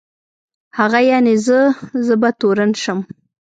هغه یعني زه، زه به تورن شم.